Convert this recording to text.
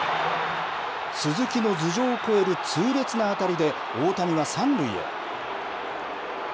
鈴木の頭上を越える痛烈な当たりで大谷は３塁へ。